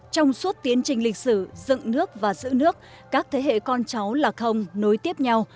trong suốt tiến trình lịch sử dựng nước và giữ nước các thế hệ con cháu là không nối tiếp nhau